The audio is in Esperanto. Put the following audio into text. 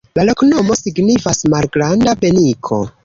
La loknomo signifas: malgranda-peniko.